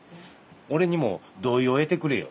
俺にも同意を得てくれよ。